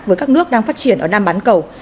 với các nước đang phát triển ở nam bán cầu